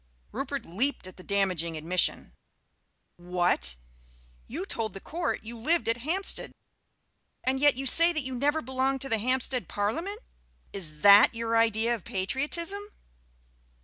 Rupert leaped at the damaging admission. "What? You told the Court you lived at Hampstead, and yet you say that you never belonged to the Hampstead Parliament? Is that your idea of patriotism?"